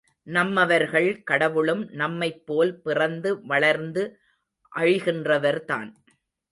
நம்மவர்கள், கடவுளும் நம்மைப்போல், பிறந்து வளர்ந்து அழிகிறவர்தான்.